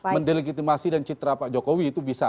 mendelegitimasi dan citra pak jokowi itu bisa